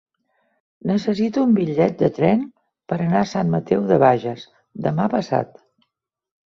Necessito un bitllet de tren per anar a Sant Mateu de Bages demà passat.